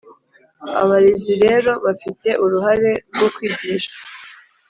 abarezi rero bafite uruhare rwo kwigisha